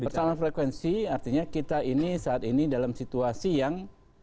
persoalan frekuensi artinya kita ini saat ini dalam situasi yang